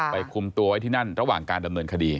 คุมตัวไว้ที่นั่นระหว่างการดำเนินคดี